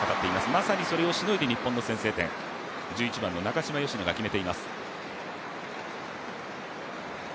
まさにそれをしのいで、日本の先制点、１１番の中嶋淑乃が決めています。